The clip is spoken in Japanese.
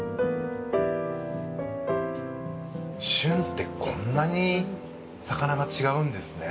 旬ってこんなに魚が違うんですね。